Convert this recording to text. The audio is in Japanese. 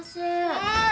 はい！